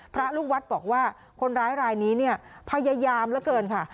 พระลูกวัดบอกว่าคนร้ายรายนี้เนี่ยพยายามเหลือเกินค่ะ